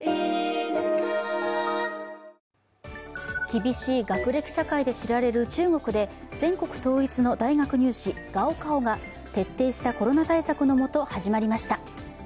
厳しい学歴社会で知られる中国で全国統一の大学入試、高考が徹底したコロナ対策の下始まりました。